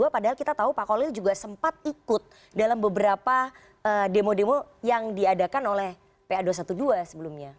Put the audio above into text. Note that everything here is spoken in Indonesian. padahal kita tahu pak kolil juga sempat ikut dalam beberapa demo demo yang diadakan oleh pa dua ratus dua belas sebelumnya